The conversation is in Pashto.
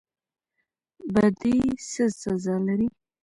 بدی څه سزا لري؟